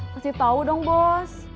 masih tahu dong bos